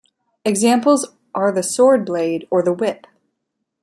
Examples are the swordblade or the whip.